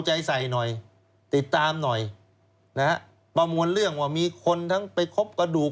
ใจใส่หน่อยติดตามหน่อยนะฮะประมวลเรื่องว่ามีคนทั้งไปคบกระดูก